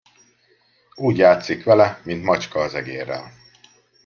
Úgy játszik vele, mint macska az egérrel.